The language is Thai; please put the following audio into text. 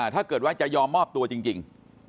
ถ้าเกิดว่าจะยอมมอบตัวจริง